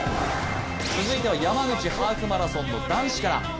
続いては山口ハーフマラソンの男子から。